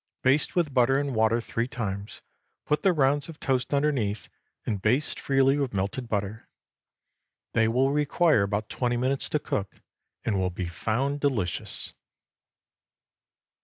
Baste with butter and water three times, put the rounds of toast underneath, and baste freely with melted butter. They will require about twenty minutes to cook, and will be found delicious.